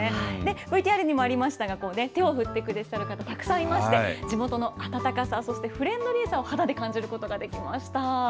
ＶＴＲにもありましたが、手を振ってくださる方、たくさんいまして、地元の温かさ、そしてフレンドリーさを肌で感じることができました。